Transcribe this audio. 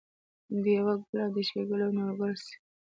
دېوه ګل او د شیګل او د نورګل سي